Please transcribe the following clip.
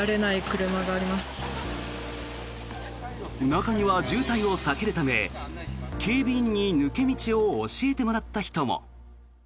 中には、渋滞を避けるため警備員に抜け道を教えてもらった人も。